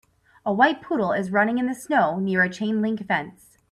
A white poodle is running in the snow, near a chain link fence.